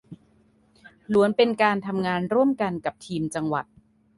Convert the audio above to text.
ล้วนเป็นการทำงานร่วมกันกับทีมจังหวัด